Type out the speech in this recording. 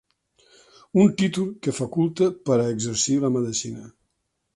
Un títol que faculta per a exercir la medicina.